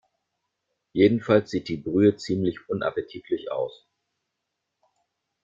Jedenfalls sieht die Brühe ziemlich unappetitlich aus.